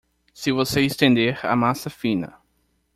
Se você estender a massa fina.